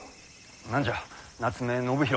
何じゃ夏目信広。